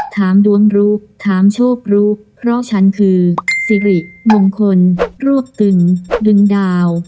ถามดวงรู้ถามโชครู้เพราะฉันคือสิริมงคลรวบตึงดึงดาว